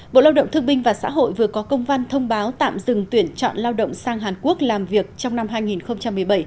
bộ lao động thương binh và xã hội vừa có công văn thông báo tạm dừng tuyển chọn lao động sang hàn quốc làm việc trong năm hai nghìn một mươi bảy